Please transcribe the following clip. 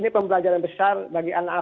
pembelajaran besar bagi anak